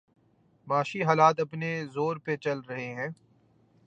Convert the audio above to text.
معاشی حالات اپنے زور پہ چل رہے ہیں۔